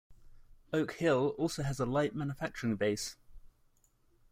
Oak Hill also has a light manufacturing base.